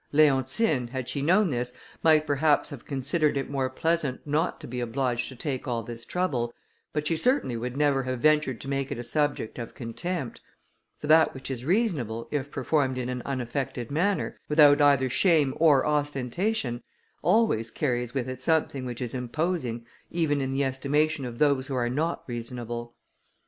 Leontine, had she known this, might perhaps have considered it more pleasant not to be obliged to take all this trouble, but she certainly would never have ventured to make it a subject of contempt; for that which is reasonable, if performed in an unaffected manner, without either shame or ostentation, always carries with it something which is imposing, even in the estimation of those who are not reasonable.